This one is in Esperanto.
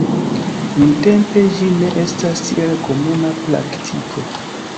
Nuntempe ĝi ne estas tiel komuna praktiko.